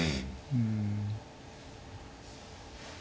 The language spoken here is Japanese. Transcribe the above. うん。